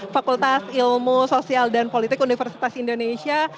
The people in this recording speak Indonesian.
fakultas ilmu sosial dan politik universitas indonesia